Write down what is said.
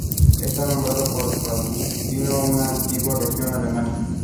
Está nombrado por el Palatinado, una antigua región de Alemania.